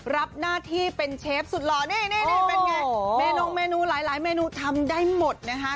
รับหน้าที่เป็นเชฟสุดหล่อนี่เป็นไงเมนูเมนูหลายเมนูทำได้หมดนะคะ